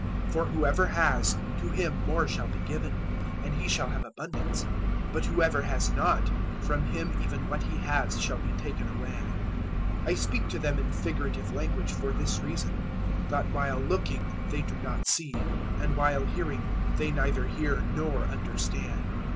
013:012 For whoever has, to him more shall be given, and he shall have abundance; but whoever has not, from him even what he has shall be taken away. 013:013 I speak to them in figurative language for this reason, that while looking they do not see, and while hearing they neither hear nor understand.